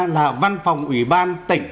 là văn phòng quỹ ban tỉnh